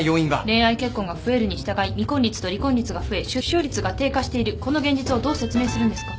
恋愛結婚が増えるに従い未婚率と離婚率が増え出生率が低下しているこの現実をどう説明するんですか？